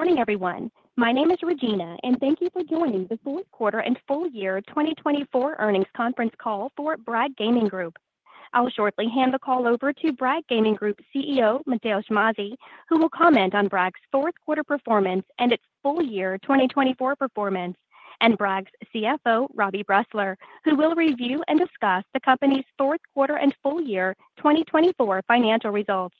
Good morning, everyone. My name is Regina, and thank you for joining the fourth quarter and full year 2024 earnings conference call for Bragg Gaming Group. I'll shortly hand the call over to Bragg Gaming Group CEO, Matevž Mazij, who will comment on Bragg's fourth quarter performance and its full year 2024 performance, and Bragg's CFO, Robbie Bressler, who will review and discuss the company's fourth quarter and full year 2024 financial results.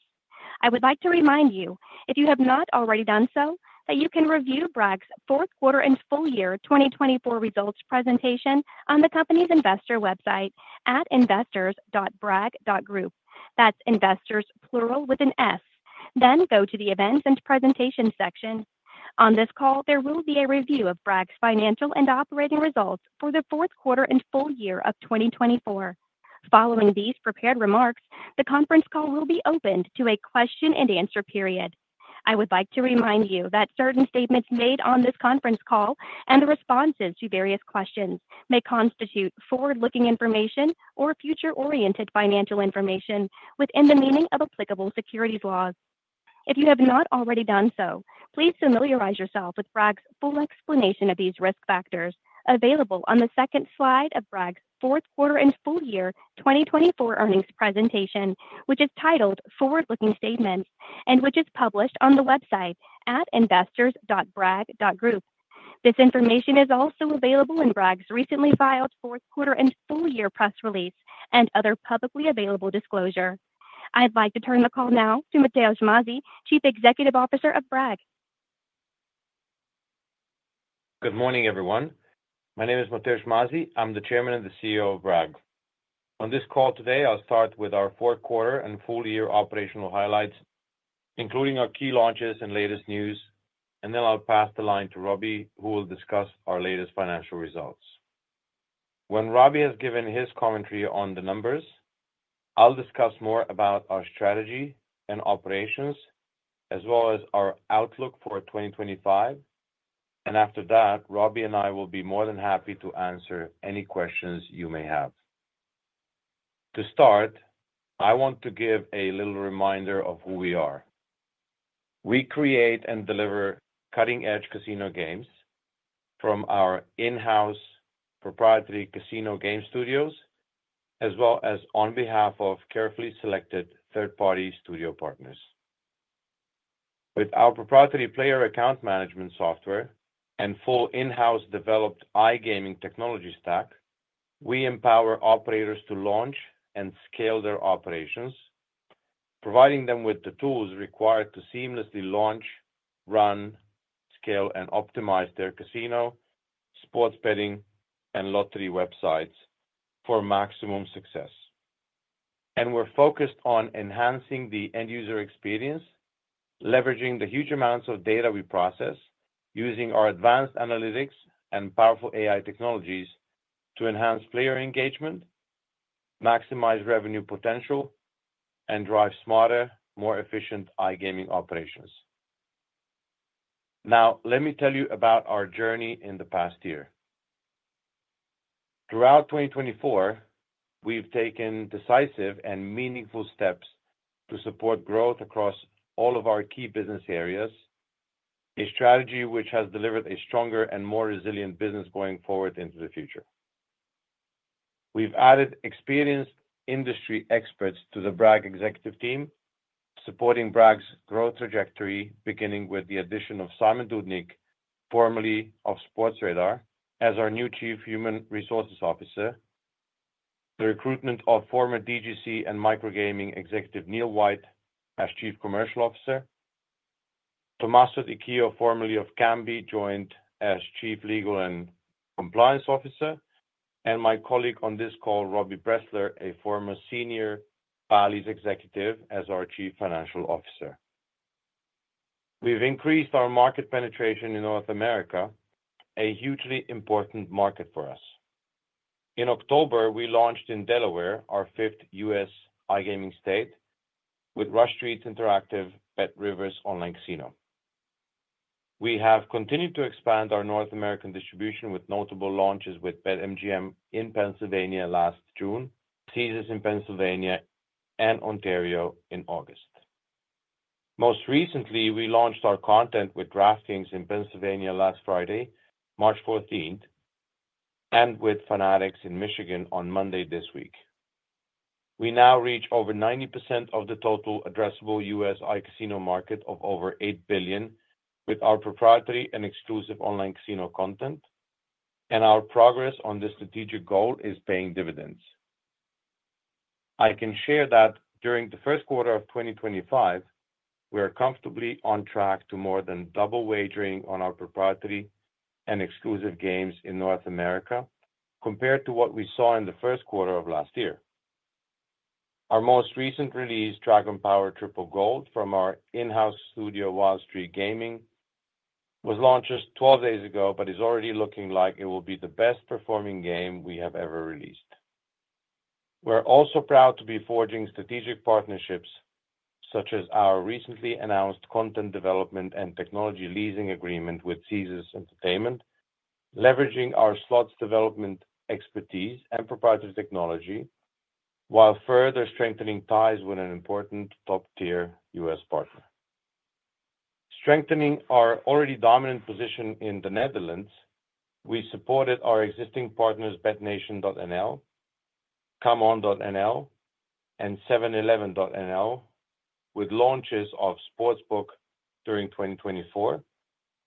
I would like to remind you, if you have not already done so, that you can review Bragg's fourth quarter and full year 2024 results presentation on the company's investor website at investors.bragg.group. That's investors, plural with an S. Go to the events and presentation section. On this call, there will be a review of Bragg's financial and operating results for the fourth quarter and full year of 2024. Following these prepared remarks, the conference call will be opened to a question and answer period. I would like to remind you that certain statements made on this conference call and the responses to various questions may constitute forward-looking information or future-oriented financial information within the meaning of applicable securities laws. If you have not already done so, please familiarize yourself with Bragg's full explanation of these risk factors available on the second slide of Bragg's fourth quarter and full year 2024 earnings presentation, which is titled "Forward-Looking Statements," and which is published on the website at investors.bragg.group. This information is also available in Bragg's recently filed fourth quarter and full year press release and other publicly available disclosure. I'd like to turn the call now to Matevž Mazij, Chief Executive Officer of Bragg. Good morning, everyone. My name is Matevž Mazij. I'm the Chairman and the CEO of Bragg. On this call today, I'll start with our fourth quarter and full year operational highlights, including our key launches and latest news, and then I'll pass the line to Robbie, who will discuss our latest financial results. When Robbie has given his commentary on the numbers, I'll discuss more about our strategy and operations, as well as our outlook for 2025. After that, Robbie and I will be more than happy to answer any questions you may have. To start, I want to give a little reminder of who we are. We create and deliver cutting-edge casino games from our in-house proprietary casino game studios, as well as on behalf of carefully selected third-party studio partners. With our proprietary player account management software and full in-house developed iGaming technology stack, we empower operators to launch and scale their operations, providing them with the tools required to seamlessly launch, run, scale, and optimize their casino, sports betting, and lottery websites for maximum success. We are focused on enhancing the end-user experience, leveraging the huge amounts of data we process, using our advanced analytics and powerful AI technologies to enhance player engagement, maximize revenue potential, and drive smarter, more efficient iGaming operations. Now, let me tell you about our journey in the past year. Throughout 2024, we have taken decisive and meaningful steps to support growth across all of our key business areas, a strategy which has delivered a stronger and more resilient business going forward into the future. We've added experienced industry experts to the Bragg executive team, supporting Bragg's growth trajectory, beginning with the addition of Simon Dudnjik, formerly of Sportradar, as our new Chief Human Resources Officer, the recruitment of former DGC and Microgaming executive Neill Whyte as Chief Commercial Officer, Tommaso Di Chio, formerly of Kambi, joined as Chief Legal and Compliance Officer, and my colleague on this call, Robbie Bressler, a former senior Bally's executive as our Chief Financial Officer. We've increased our market penetration in North America, a hugely important market for us. In October, we launched in Delaware, our fifth U.S. iGaming state, with Rush Street Interactive at Rivers Online Casino. We have continued to expand our North American distribution with notable launches with BetMGM in Pennsylvania last June, Caesars in Pennsylvania, and Ontario in August. Most recently, we launched our content with DraftKings in Pennsylvania last Friday, March 14, and with Fanatics in Michigan on Monday this week. We now reach over 90% of the total addressable U.S. iCasino market of over $8 billion with our proprietary and exclusive online casino content, and our progress on this strategic goal is paying dividends. I can share that during the first quarter of 2025, we are comfortably on track to more than double wagering on our proprietary and exclusive games in North America compared to what we saw in the first quarter of last year. Our most recent release, Dragon Power Triple Gold, from our in-house studio Wild Streak Gaming, was launched just 12 days ago, but is already looking like it will be the best-performing game we have ever released. We're also proud to be forging strategic partnerships, such as our recently announced content development and technology leasing agreement with Caesars Entertainment, leveraging our slots development expertise and proprietary technology, while further strengthening ties with an important top-tier U.S. partner. Strengthening our already dominant position in the Netherlands, we supported our existing partners, Betnation.nl, ComeOn.nl, and 711.nl with launches of sportsbook during 2024,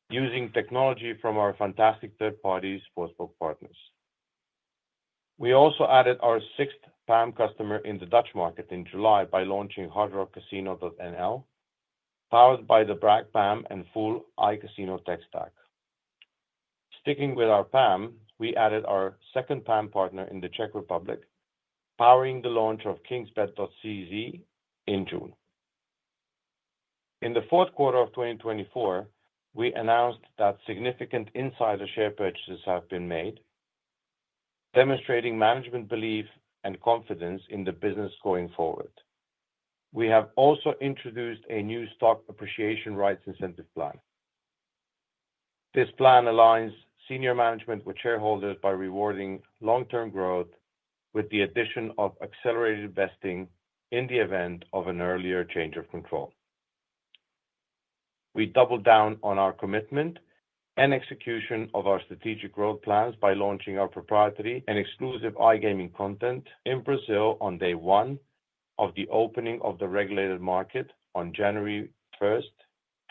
using technology from our fantastic third-party sportsbook partners. We also added our sixth PAM customer in the Dutch market in July by launching Hard Rock Casino.nl, powered by the Bragg PAM and full iCasino tech stack. Sticking with our PAM, we added our second PAM partner in the Czech Republic, powering the launch of Kingsbet.cz in June. In the fourth quarter of 2024, we announced that significant insider share purchases have been made, demonstrating management belief and confidence in the business going forward. We have also introduced a new stock appreciation rights incentive plan. This plan aligns senior management with shareholders by rewarding long-term growth with the addition of accelerated vesting in the event of an earlier change of control. We doubled down on our commitment and execution of our strategic growth plans by launching our proprietary and exclusive iGaming content in Brazil on day one of the opening of the regulated market on January 1,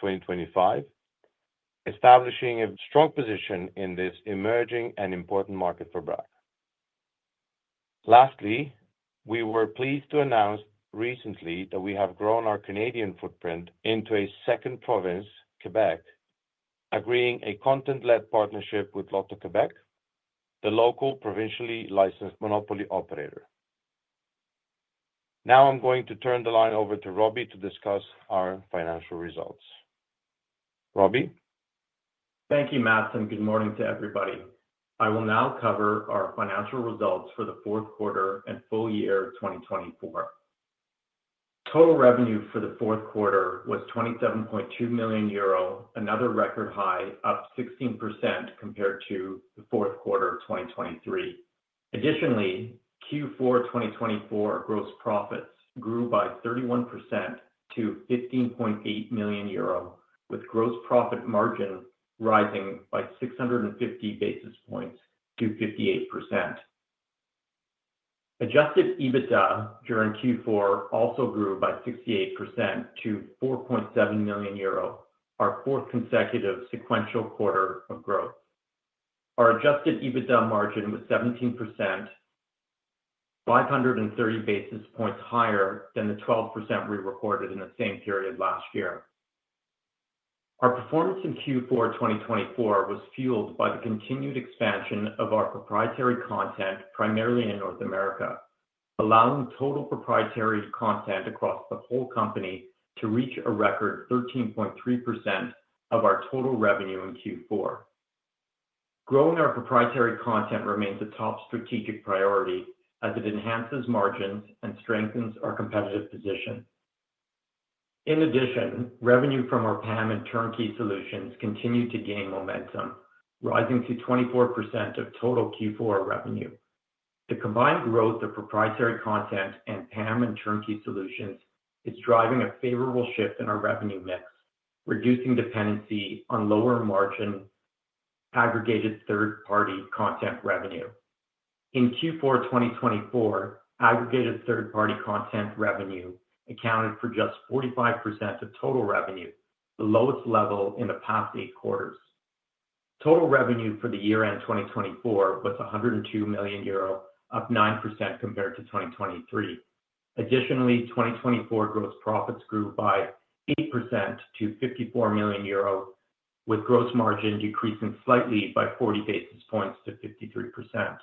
2025, establishing a strong position in this emerging and important market for Bragg. Lastly, we were pleased to announce recently that we have grown our Canadian footprint into a second province, Quebec, agreeing a content-led partnership with Loto-Québec, the local provincially licensed monopoly operator. Now I'm going to turn the line over to Robbie to discuss our financial results. Robbie? Thank you, Matt. Good morning to everybody. I will now cover our financial results for the fourth quarter and full year 2024. Total revenue for the fourth quarter was 27.2 million euro, another record high, up 16% compared to the fourth quarter of 2023. Additionally, Q4 2024 gross profits grew by 31% to 15.8 million euro, with gross profit margin rising by 650 basis points to 58%. Adjusted EBITDA during Q4 also grew by 68% to 4.7 million euro, our fourth consecutive sequential quarter of growth. Our Adjusted EBITDA margin was 17%, 530 basis points higher than the 12% we recorded in the same period last year. Our performance in Q4 2024 was fueled by the continued expansion of our proprietary content, primarily in North America, allowing total proprietary content across the whole company to reach a record 13.3% of our total revenue in Q4. Growing our proprietary content remains a top strategic priority as it enhances margins and strengthens our competitive position. In addition, revenue from our PAM and turnkey solutions continued to gain momentum, rising to 24% of total Q4 revenue. The combined growth of proprietary content and PAM and turnkey solutions is driving a favorable shift in our revenue mix, reducing dependency on lower margin aggregated third-party content revenue. In Q4 2024, aggregated third-party content revenue accounted for just 45% of total revenue, the lowest level in the past eight quarters. Total revenue for the year-end 2024 was 102 million euro, up 9% compared to 2023. Additionally, 2024 gross profits grew by 8% to 54 million euro, with gross margin decreasing slightly by 40 basis points to 53%.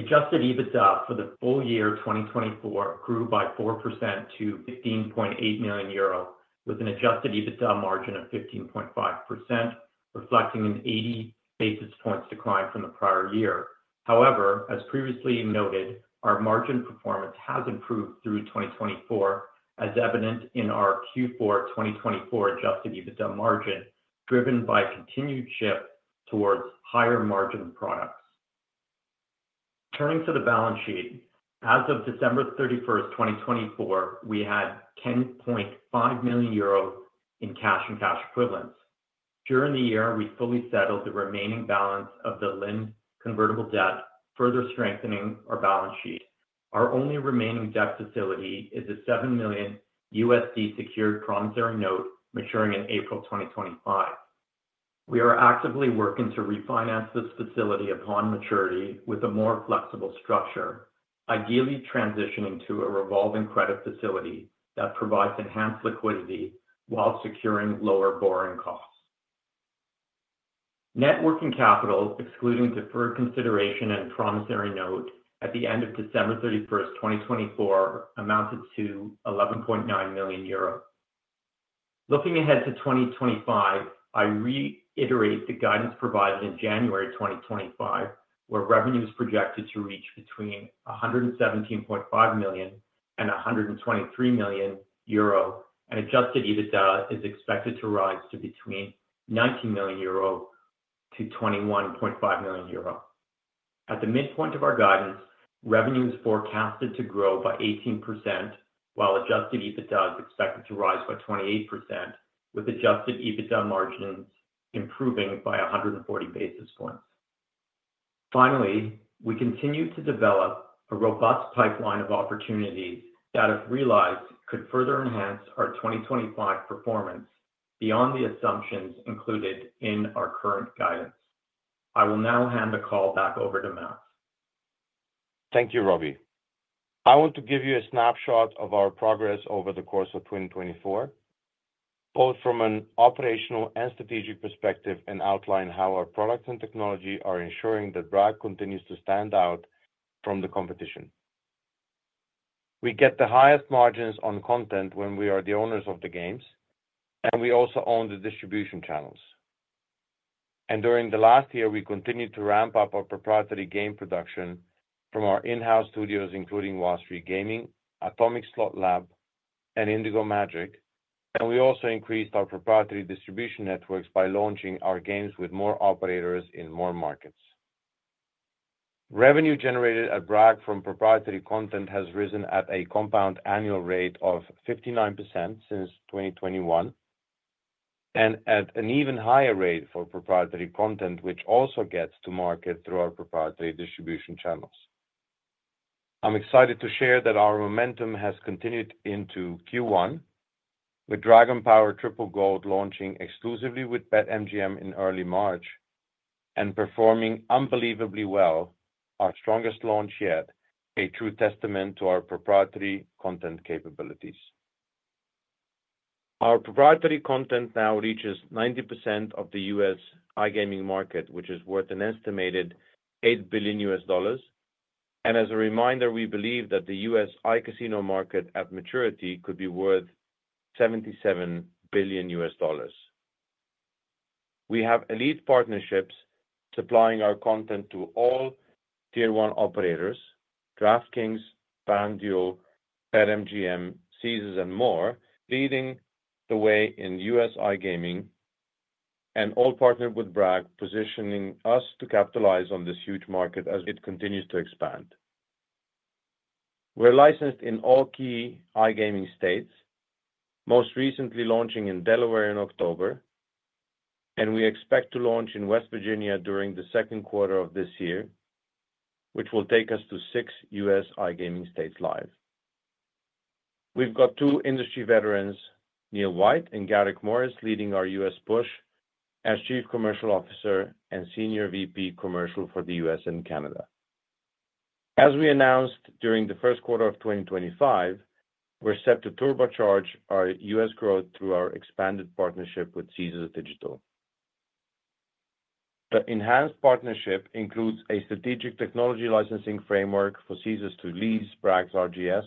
Adjusted EBITDA for the full year 2024 grew by 4% to 15.8 million euro, with an Adjusted EBITDA margin of 15.5%, reflecting an 80 basis points decline from the prior year. However, as previously noted, our margin performance has improved through 2024, as evident in our Q4 2024 Adjusted EBITDA margin, driven by a continued shift towards higher margin products. Turning to the balance sheet, as of December 31, 2024, we had 10.5 million euros in cash and cash equivalents. During the year, we fully settled the remaining balance of the Lind convertible debt, further strengthening our balance sheet. Our only remaining debt facility is a $7 million secured promissory note maturing in April 2025. We are actively working to refinance this facility upon maturity with a more flexible structure, ideally transitioning to a revolving credit facility that provides enhanced liquidity while securing lower borrowing costs. Net working capital, excluding deferred consideration and promissory note at the end of December 31, 2024, amounted to 11.9 million euros. Looking ahead to 2025, I reiterate the guidance provided in January 2025, where revenues projected to reach between 117.5 million and 123 million euro, and Adjusted EBITDA is expected to rise to between 19 million-21.5 million euro. At the midpoint of our guidance, revenues forecasted to grow by 18%, while Adjusted EBITDA is expected to rise by 28%, with Adjusted EBITDA margins improving by 140 basis points. Finally, we continue to develop a robust pipeline of opportunities that, if realized, could further enhance our 2025 performance beyond the assumptions included in our current guidance. I will now hand the call back over to Matt. Thank you, Robbie. I want to give you a snapshot of our progress over the course of 2024, both from an operational and strategic perspective, and outline how our products and technology are ensuring that Bragg continues to stand out from the competition. We get the highest margins on content when we are the owners of the games, and we also own the distribution channels. During the last year, we continued to ramp up our proprietary game production from our in-house studios, including Wild Streak Gaming, Atomic Slot Lab, and Indigo Magic. We also increased our proprietary distribution networks by launching our games with more operators in more markets. Revenue generated at Bragg from proprietary content has risen at a compound annual rate of 59% since 2021, and at an even higher rate for proprietary content, which also gets to market through our proprietary distribution channels. I'm excited to share that our momentum has continued into Q1, with Dragon Power Triple Gold launching exclusively with BetMGM in early March and performing unbelievably well, our strongest launch yet, a true testament to our proprietary content capabilities. Our proprietary content now reaches 90% of the U.S. iGaming market, which is worth an estimated $8 billion. As a reminder, we believe that the U.S. iCasino market at maturity could be worth $77 billion. We have elite partnerships supplying our content to all tier one operators: DraftKings, FanDuel, BetMGM, Caesars, and more, leading the way in U.S. iGaming, and all partnered with Bragg, positioning us to capitalize on this huge market as it continues to expand. We're licensed in all key iGaming states, most recently launching in Delaware in October, and we expect to launch in West Virginia during the second quarter of this year, which will take us to six U.S. iGaming states live. We've got two industry veterans, Neill Whyte and Garrick Morris, leading our U.S. push as Chief Commercial Officer and Senior VP Commercial for the U.S. and Canada. As we announced during the first quarter of 2025, we're set to turbocharge our U.S. growth through our expanded partnership with Caesars Digital. The enhanced partnership includes a strategic technology licensing framework for Caesars to lease Bragg's RGS,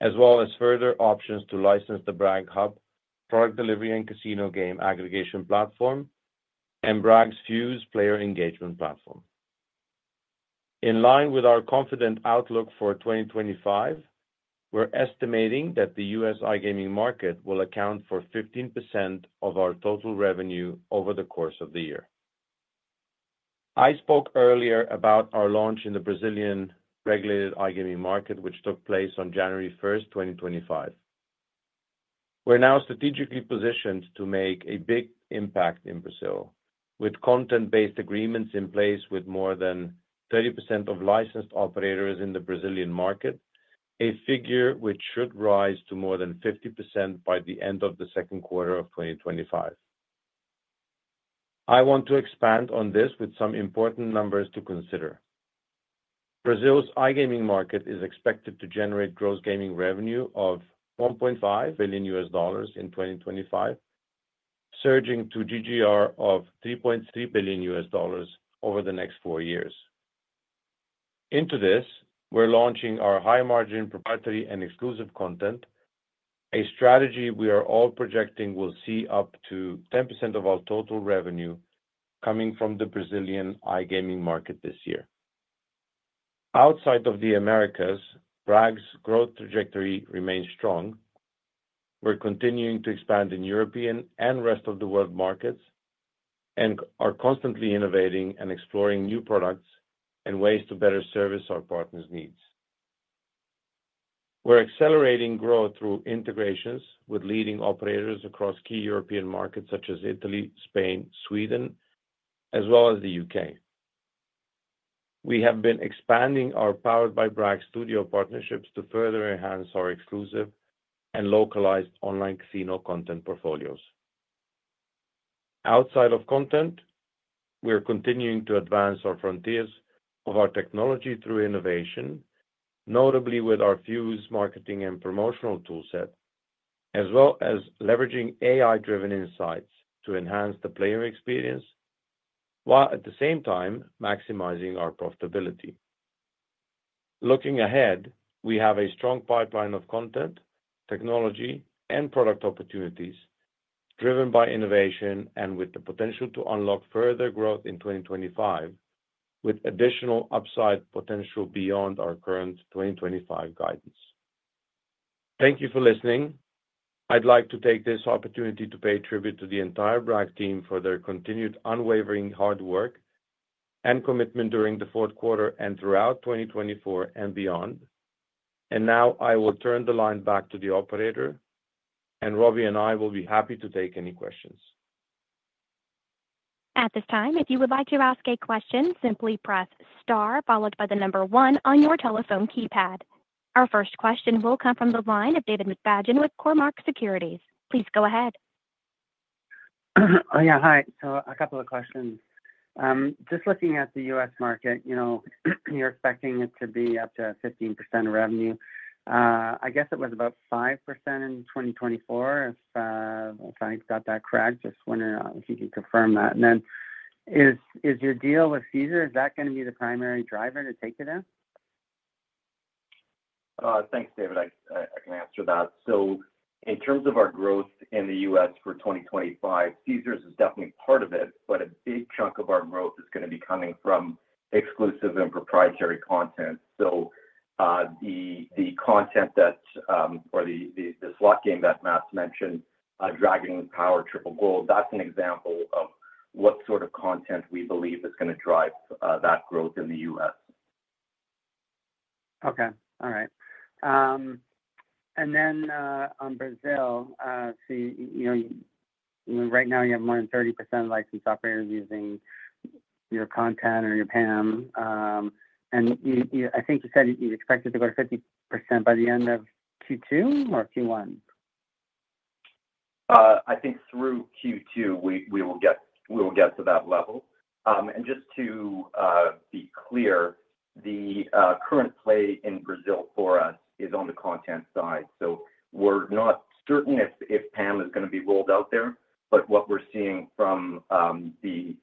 as well as further options to license the Bragg Hub, product delivery, and casino game aggregation platform, and Bragg's Fuze player engagement platform. In line with our confident outlook for 2025, we're estimating that the U.S. iGaming market will account for 15% of our total revenue over the course of the year. I spoke earlier about our launch in the Brazilian regulated iGaming market, which took place on January 1, 2025. We're now strategically positioned to make a big impact in Brazil, with content-based agreements in place with more than 30% of licensed operators in the Brazilian market, a figure which should rise to more than 50% by the end of the second quarter of 2025. I want to expand on this with some important numbers to consider. Brazil's iGaming market is expected to generate gross gaming revenue of $1.5 billion in 2025, surging to GGR of $3.3 billion over the next four years. Into this, we're launching our high-margin proprietary and exclusive content, a strategy we are all projecting will see up to 10% of our total revenue coming from the Brazilian iGaming market this year. Outside of the Americas, Bragg's growth trajectory remains strong. We're continuing to expand in European and rest of the world markets and are constantly innovating and exploring new products and ways to better service our partners' needs. We're accelerating growth through integrations with leading operators across key European markets such as Italy, Spain, Sweden, as well as the U.K. We have been expanding our Powered by Bragg studio partnerships to further enhance our exclusive and localized online casino content portfolios. Outside of content, we're continuing to advance our frontiers of our technology through innovation, notably with our Fuze marketing and promotional toolset, as well as leveraging AI-driven insights to enhance the player experience, while at the same time maximizing our profitability. Looking ahead, we have a strong pipeline of content, technology, and product opportunities driven by innovation and with the potential to unlock further growth in 2025, with additional upside potential beyond our current 2025 guidance. Thank you for listening. I'd like to take this opportunity to pay tribute to the entire Bragg team for their continued unwavering hard work and commitment during the fourth quarter and throughout 2024 and beyond. I will turn the line back to the operator, and Robbie and I will be happy to take any questions. At this time, if you would like to ask a question, simply press star followed by the number one on your telephone keypad. Our first question will come from the line of David McFadgen with Cormark Securities. Please go ahead. Oh yeah, hi. A couple of questions. Just looking at the U.S. market, you're expecting it to be up to 15% revenue. I guess it was about 5% in 2024, if I got that correct. Just wondering if you could confirm that. Is your deal with Caesars, is that going to be the primary driver to take you there? Thanks, David. I can answer that. In terms of our growth in the U.S. for 2025, Caesars is definitely part of it, but a big chunk of our growth is going to be coming from exclusive and proprietary content. The content that, or the slot game that Matt mentioned, Dragon Power Triple Gold, that's an example of what sort of content we believe is going to drive that growth in the U.S.. Okay. All right. On Brazil, right now you have more than 30% licensed operators using your content or your PAM. I think you said you expected to go to 50% by the end of Q2 or Q1? I think through Q2 we will get to that level. Just to be clear, the current play in Brazil for us is on the content side. We're not certain if PAM is going to be rolled out there, but what we're seeing from the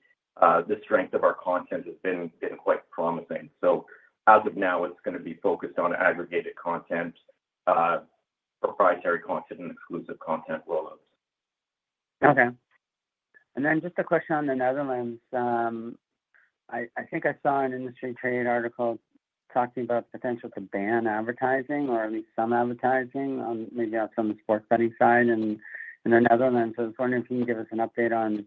strength of our content has been quite promising. As of now, it's going to be focused on aggregated content, proprietary content, and exclusive content rollouts. Okay. Just a question on the Netherlands. I think I saw an industry trade article talking about the potential to ban advertising or at least some advertising, maybe outside of the sports betting side in the Netherlands. I was wondering if you can give us an update on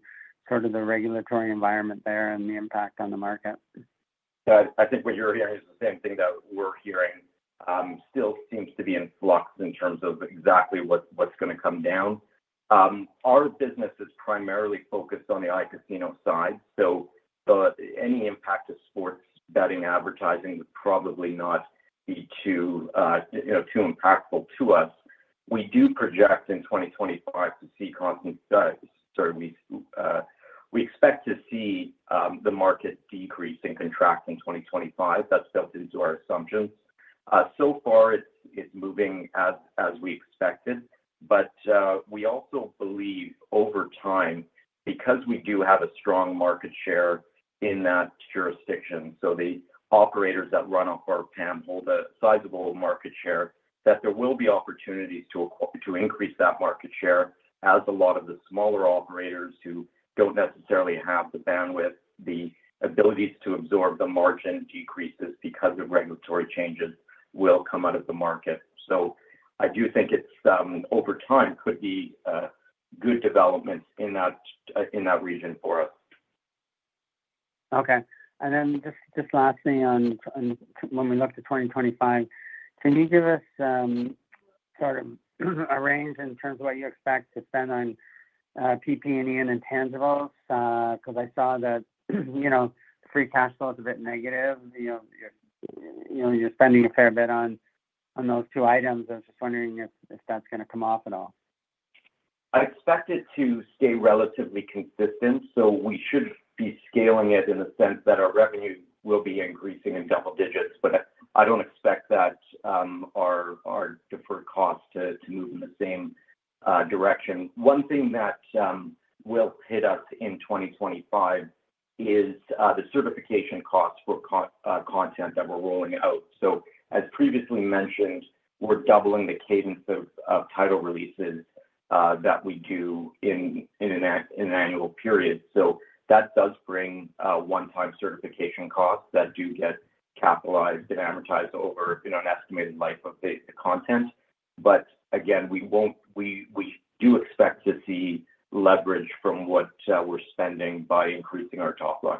sort of the regulatory environment there and the impact on the market. I think what you're hearing is the same thing that we're hearing. Still seems to be in flux in terms of exactly what's going to come down. Our business is primarily focused on the iCasino side, so any impact of sports betting advertising would probably not be too impactful to us. We do project in 2025 to see constant steps. We expect to see the market decrease and contract in 2025. That's built into our assumptions. It is moving as we expected, but we also believe over time, because we do have a strong market share in that jurisdiction, so the operators that run off our PAM hold a sizable market share, that there will be opportunities to increase that market share as a lot of the smaller operators who do not necessarily have the bandwidth, the abilities to absorb the margin decreases because of regulatory changes will come out of the market. I do think over time it could be good developments in that region for us. Okay. Lastly, when we look to 2025, can you give us a range in terms of what you expect to spend on PP&E and intangibles? Because I saw that free cash flow is a bit negative. You're spending a fair bit on those two items. I was just wondering if that's going to come off at all. I expect it to stay relatively consistent, so we should be scaling it in the sense that our revenue will be increasing in double digits, but I don't expect that our deferred costs to move in the same direction. One thing that will hit us in 2025 is the certification costs for content that we're rolling out. As previously mentioned, we're doubling the cadence of title releases that we do in an annual period. That does bring one-time certification costs that do get capitalized and amortized over an estimated life of the content. Again, we do expect to see leverage from what we're spending by increasing our top line.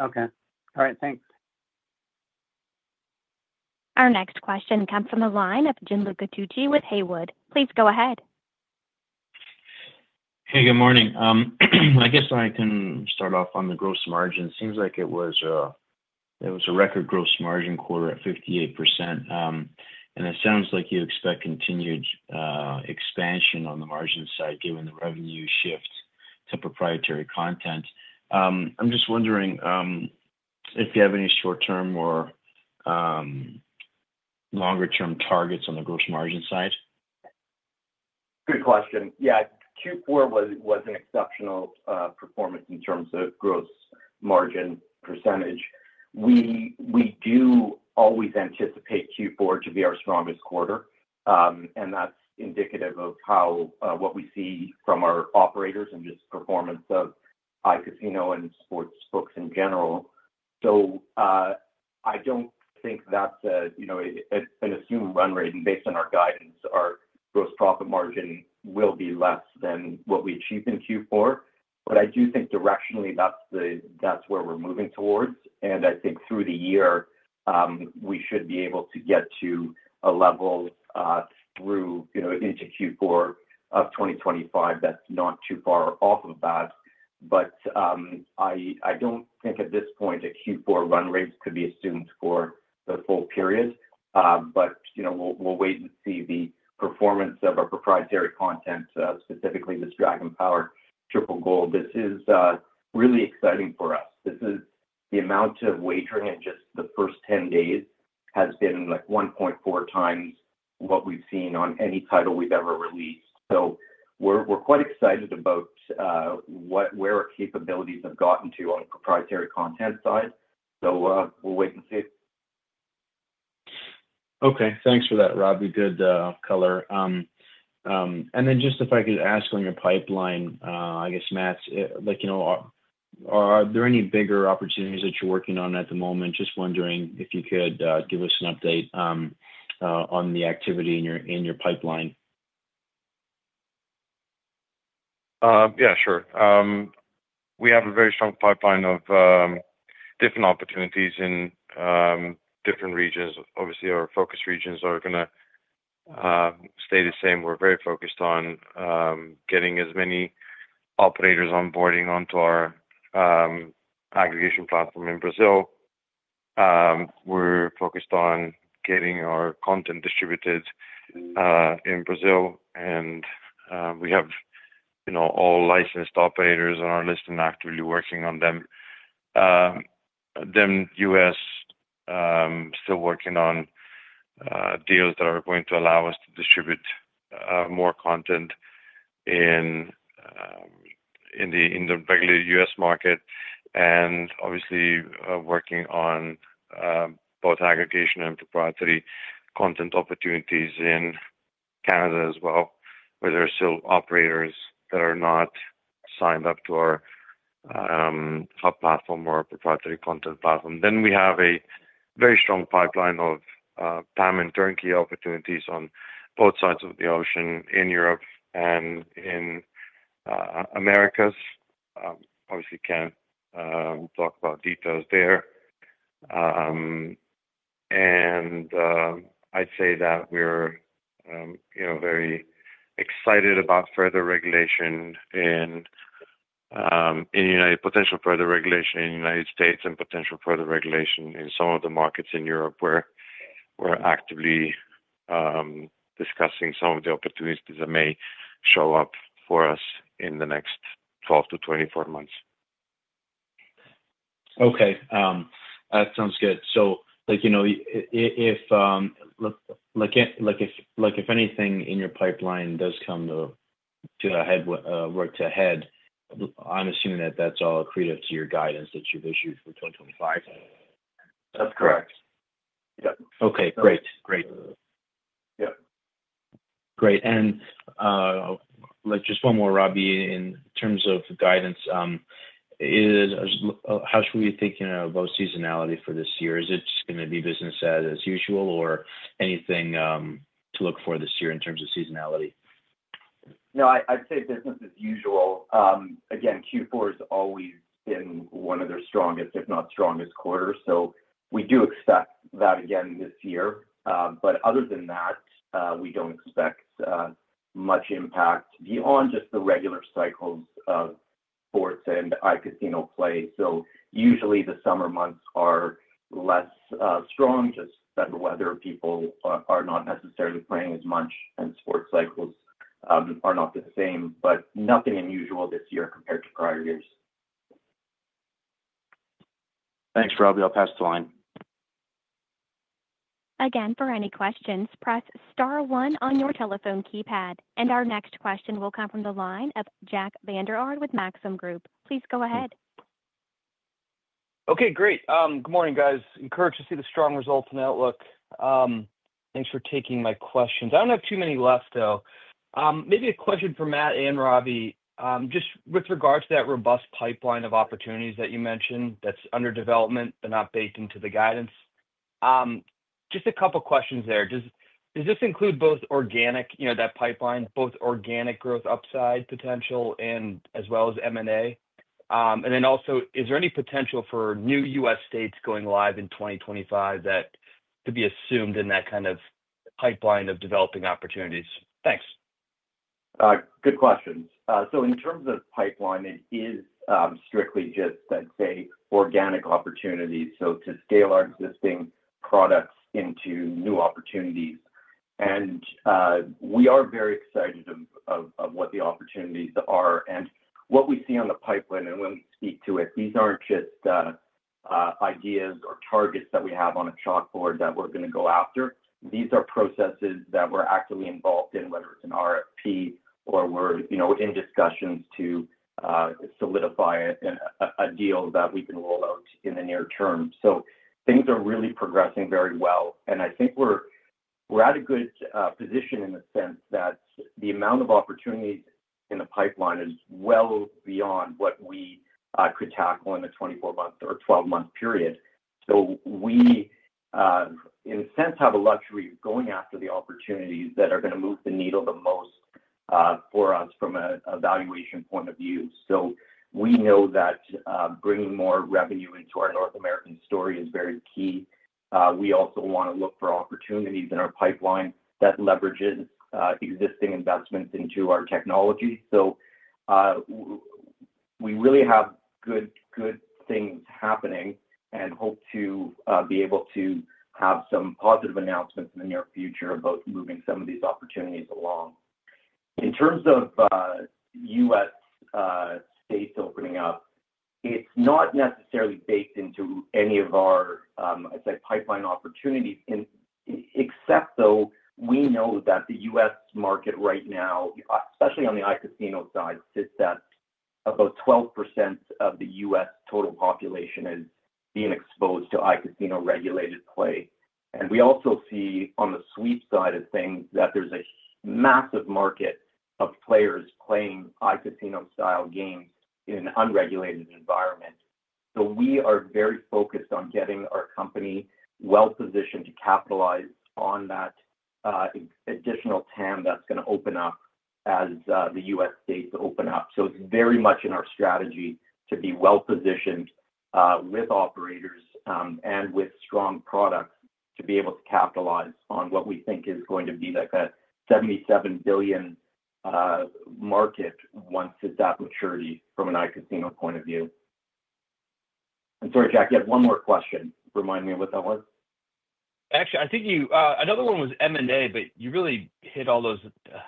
Okay. All right. Thanks. Our next question comes from the line of Gianluca Tucci with Haywood. Please go ahead. Hey, good morning. I guess I can start off on the gross margin. It seems like it was a record gross margin quarter at 58%. It sounds like you expect continued expansion on the margin side given the revenue shift to proprietary content. I'm just wondering if you have any short-term or longer-term targets on the gross margin side. Good question. Yeah. Q4 was an exceptional performance in terms of gross margin percentage. We do always anticipate Q4 to be our strongest quarter, and that's indicative of what we see from our operators and just performance of iCasino and sports books in general. I don't think that's an assumed run rate based on our guidance. Our gross profit margin will be less than what we achieved in Q4, but I do think directionally that's where we're moving towards. I think through the year, we should be able to get to a level through into Q4 of 2025 that's not too far off of that. I don't think at this point a Q4 run rate could be assumed for the full period, but we'll wait and see the performance of our proprietary content, specifically this Dragon Power Triple Gold. This is really exciting for us. The amount of wagering in just the first 10 days has been like 1.4 times what we've seen on any title we've ever released. We are quite excited about where our capabilities have gotten to on the proprietary content side. We will wait and see. Okay. Thanks for that, Rob. You did color. And then just if I could ask on your pipeline, I guess, Matt, are there any bigger opportunities that you're working on at the moment? Just wondering if you could give us an update on the activity in your pipeline. Yeah, sure. We have a very strong pipeline of different opportunities in different regions. Obviously, our focus regions are going to stay the same. We're very focused on getting as many operators onboarding onto our aggregation platform in Brazil. We're focused on getting our content distributed in Brazil, and we have all licensed operators on our list and actively working on them. The U.S., still working on deals that are going to allow us to distribute more content in the regular U.S. market. Obviously, working on both aggregation and proprietary content opportunities in Canada as well, where there are still operators that are not signed up to our hub platform or our proprietary content platform. We have a very strong pipeline of PAM and turnkey opportunities on both sides of the ocean in Europe and in Americas. Obviously, can't talk about details there. I'd say that we're very excited about further regulation in the United States, potential further regulation in the United States, and potential further regulation in some of the markets in Europe where we're actively discussing some of the opportunities that may show up for us in the next 12-24 months. Okay. That sounds good. If anything in your pipeline does come to work to ahead, I'm assuming that that's all accredited to your guidance that you've issued for 2025. That's correct. Yep. Okay. Great. Great. Great. Just one more, Robbie, in terms of guidance, how should we be thinking about seasonality for this year? Is it just going to be business as usual or anything to look for this year in terms of seasonality? No, I'd say business as usual. Again, Q4 has always been one of their strongest, if not strongest, quarters. We do expect that again this year. Other than that, we don't expect much impact beyond just the regular cycles of sports and iCasino play. Usually the summer months are less strong just because the weather, people are not necessarily playing as much and sports cycles are not the same, but nothing unusual this year compared to prior years. Thanks, Robbie. I'll pass the line. Again, for any questions, press star one on your telephone keypad. Our next question will come from the line of Jack Vander Aarde with Maxim Group. Please go ahead. Okay. Great. Good morning, guys. Encouraged to see the strong results in Outlook. Thanks for taking my questions. I do not have too many left, though. Maybe a question for Matt and Robbie, just with regards to that robust pipeline of opportunities that you mentioned that is under development but not baked into the guidance. Just a couple of questions there. Does this include both organic, that pipeline, both organic growth upside potential as well as M&A? Also, is there any potential for new U.S. states going live in 2025 that could be assumed in that kind of pipeline of developing opportunities? Thanks. Good questions. In terms of pipeline, it is strictly just, I'd say, organic opportunities. To scale our existing products into new opportunities. We are very excited of what the opportunities are. What we see on the pipeline and when we speak to it, these aren't just ideas or targets that we have on a chalkboard that we're going to go after. These are processes that we're actively involved in, whether it's an RFP or we're in discussions to solidify a deal that we can roll out in the near term. Things are really progressing very well. I think we're at a good position in the sense that the amount of opportunities in the pipeline is well beyond what we could tackle in a 24-month or 12-month period. We, in a sense, have a luxury of going after the opportunities that are going to move the needle the most for us from a valuation point of view. We know that bringing more revenue into our North American story is very key. We also want to look for opportunities in our pipeline that leverages existing investments into our technology. We really have good things happening and hope to be able to have some positive announcements in the near future about moving some of these opportunities along. In terms of U.S. states opening up, it's not necessarily baked into any of our, I'd say, pipeline opportunities, except though we know that the U.S. market right now, especially on the iCasino side, sits at about 12% of the U.S. total population is being exposed to iCasino regulated play. We also see on the sweeps side of things that there's a massive market of players playing iCasino-style games in an unregulated environment. We are very focused on getting our company well-positioned to capitalize on that additional TAM that's going to open up as the U.S. states open up. It is very much in our strategy to be well-positioned with operators and with strong products to be able to capitalize on what we think is going to be like a $77 billion market once it's at maturity from an iCasino point of view. I'm sorry, Jack, you had one more question. Remind me of what that was. Actually, I think another one was M&A, but you really hit all those.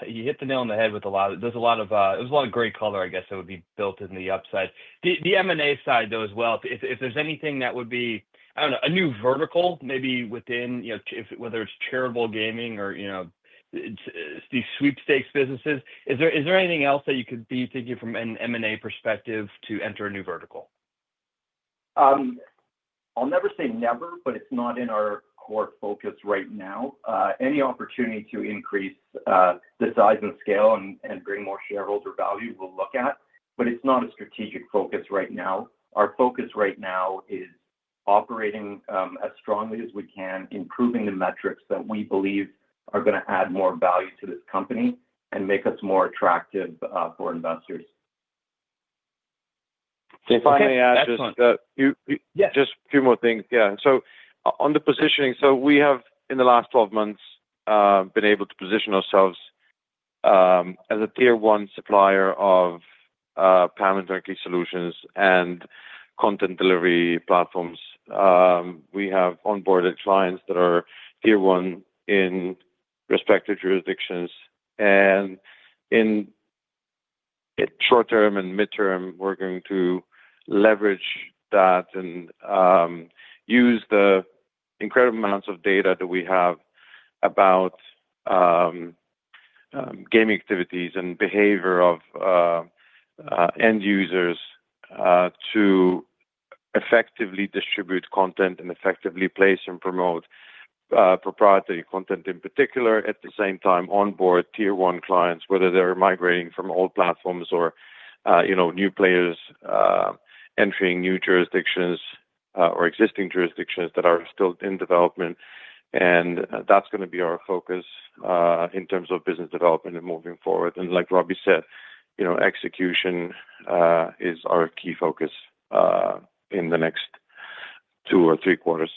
You hit the nail on the head with a lot. There's a lot of gray color, I guess, that would be built in the upside. The M&A side, though, as well, if there's anything that would be, I don't know, a new vertical, maybe within whether it's charitable gaming or these sweepstakes businesses, is there anything else that you could be thinking from an M&A perspective to enter a new vertical? I'll never say never, but it's not in our core focus right now. Any opportunity to increase the size and scale and bring more shareholder value we'll look at, but it's not a strategic focus right now. Our focus right now is operating as strongly as we can, improving the metrics that we believe are going to add more value to this company and make us more attractive for investors. If I may add just. Excellent. Just a few more things. Yeah. On the positioning, we have, in the last 12 months, been able to position ourselves as a tier-one supplier of PAM and turnkey solutions and content delivery platforms. We have onboarded clients that are tier-one in respective jurisdictions. In short-term and midterm, we're going to leverage that and use the incredible amounts of data that we have about gaming activities and behavior of end users to effectively distribute content and effectively place and promote proprietary content, in particular, at the same time onboard tier-one clients, whether they're migrating from old platforms or new players entering new jurisdictions or existing jurisdictions that are still in development. That's going to be our focus in terms of business development and moving forward. Like Robbie said, execution is our key focus in the next two or three quarters.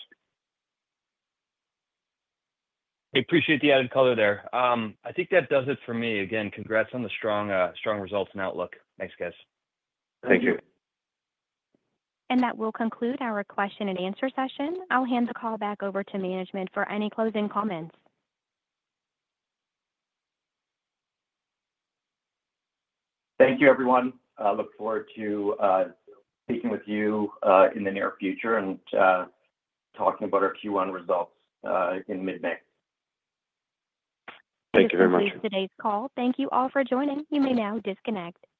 I appreciate the added color there. I think that does it for me. Again, congrats on the strong results and outlook. Thanks, guys. Thank you. That will conclude our question-and-answer session. I'll hand the call back over to management for any closing comments. Thank you, everyone. I look forward to speaking with you in the near future and talking about our Q1 results in mid-May. Thank you very much. That concludes today's call. Thank you all for joining. You may now disconnect.